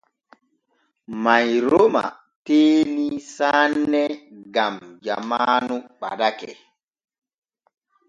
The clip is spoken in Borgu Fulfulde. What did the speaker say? Mayroma teenii saane gam jamaanu ɓadake.